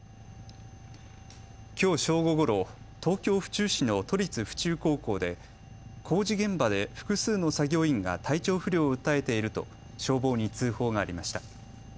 きょう正午ごろ、東京府中市の都立府中高校で工事現場で複数の作業員が体調不良を訴えていると消防に通報がありました。